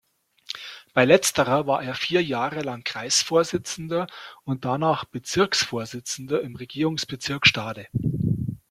Bei letzterer war er vier Jahre lang Kreisvorsitzender und danach Bezirksvorsitzender im Regierungsbezirk Stade.